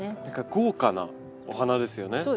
何か豪華なお花ですよね。